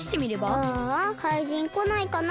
ああかいじんこないかな。